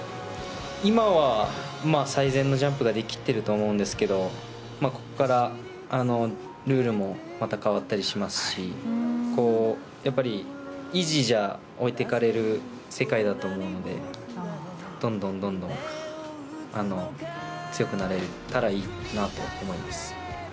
今は最善のジャンプができていると思うんですけどここからルールもまた変わったりしますしやっぱり維持じゃ置いていかれる世界だと思うのでどんどんどんどん強くなれたらいいなと思います。